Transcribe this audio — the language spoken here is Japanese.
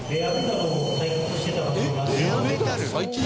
レアメタル！？